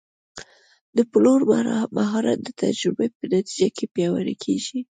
د پلور مهارت د تجربې په نتیجه کې پیاوړی کېږي.